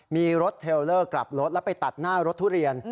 มีรถเทลเลอร์กลับรถแล้วไปตัดหน้ารถทุเรียน